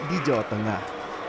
di jawa tengah